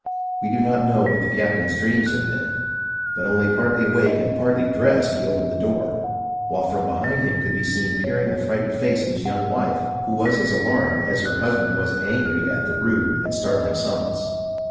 We do not know what the captain's dreams had been, but only partly awake and partly dressed he opened the door, while from behind him could be seen peering the frightened face of his young wife, who was as alarmed as her husband was angry at the rude and startling summons.